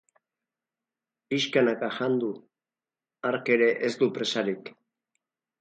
Pixkanaka jan du, hark ere ez du presarik.